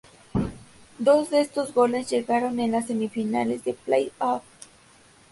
Dos de estos goles llegaron en las semifinales de play-off.